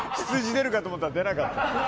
羊出るかと思ったら出なかった。